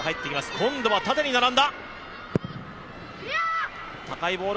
今度は縦に並んだ。